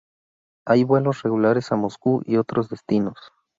Hay vuelos regulares a Moscú y otros destinos.